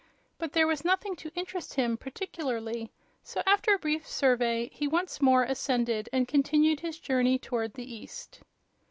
But there was nothing to interest him, particularly; so after a brief survey he once more ascended and continued his journey toward the east.